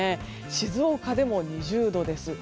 静岡でも２０度です。